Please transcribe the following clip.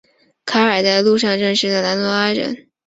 卡尔在路上认识了爱尔兰人罗宾逊和法国人德拉马什。